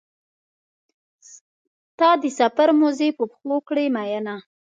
تا د سفر موزې په پښو کړې مینه.